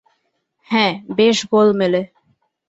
হ্যাঁ - বেশ গোলমেলে।